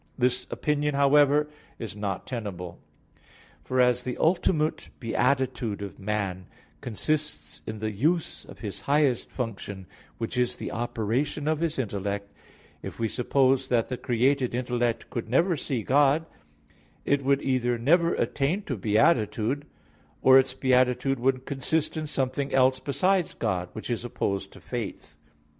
This opinion, however, is not tenable. For as the ultimate beatitude of man consists in the use of his highest function, which is the operation of his intellect; if we suppose that the created intellect could never see God, it would either never attain to beatitude, or its beatitude would consist in something else beside God; which is opposed to faith.